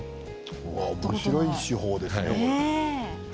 おもしろい手法ですね。